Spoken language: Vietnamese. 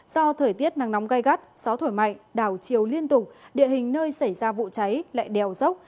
do thời tiết nắng nóng gai gắt gió thổi mạnh đảo chiều liên tục địa hình nơi xảy ra vụ cháy lại đèo dốc